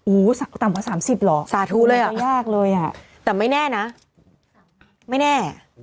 โอ้โหต่ำกว่า๓๐หรอกสาธุเลยอ่ะยากเลยอ่ะแต่ไม่แน่นะไม่แน่